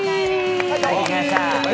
帰ってきました。